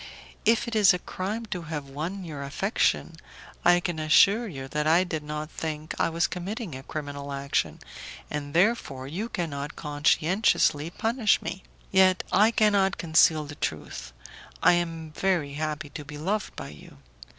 If it is a crime to have won your affection, I can assure you that I did not think I was committing a criminal action, and therefore you cannot conscientiously punish me. Yet I cannot conceal the truth; I am very happy to be loved by you.